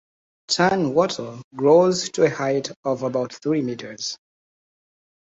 Tan wattle grows to a height of about three metres.